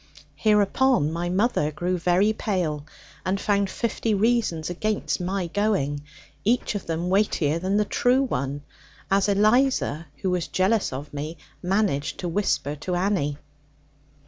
Hereupon my mother grew very pale, and found fifty reasons against my going, each of them weightier than the true one, as Eliza (who was jealous of me) managed to whisper to Annie.